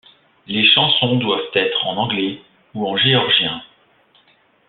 Les chansons doivent être en anglais ou en géorgien.